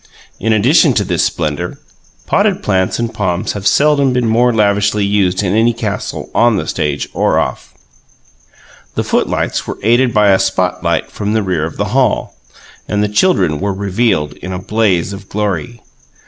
In addition to this splendour, potted plants and palms have seldom been more lavishly used in any castle on the stage or off. The footlights were aided by a "spot light" from the rear of the hall; and the children were revealed in a blaze of glory.